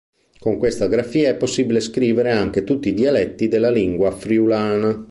Con questa grafia è possibile scrivere anche tutti i dialetti della lingua friulana.